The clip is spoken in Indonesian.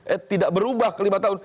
eh tidak berubah ke lima tahun